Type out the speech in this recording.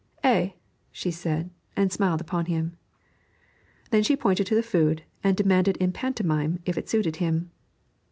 'Eh!' she said, and smiled upon him. Then she pointed to the food, and demanded in pantomime if it suited him.